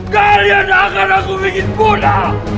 kalian akan aku bikin kuda